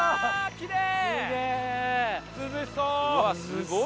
きれい！